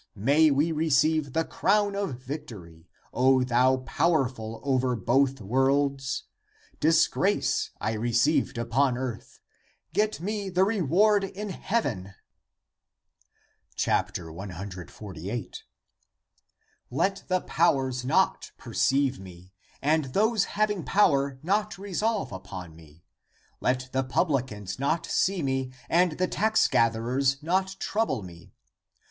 May we receive the crown of victory, O thou powerful over both worlds ! Disgrace I received upon earth — get me the reward in heaven. 148. <Let the powers not perceive me, and those having power not resolve upon me ; let the publicans not see me and the tax gatherers not trouble me